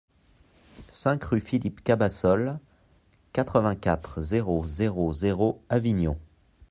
cinq rue Philippe Cabassole, quatre-vingt-quatre, zéro zéro zéro, Avignon